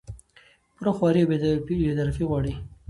پوره خواري او بې طرفي غواړي